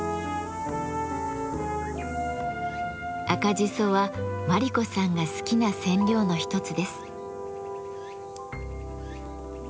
赤じそは真理子さんが好きな染料の一つです。